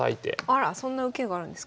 あらそんな受けがあるんですか。